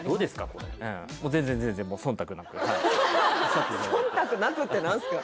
これもう全然全然「忖度なく」って何すか？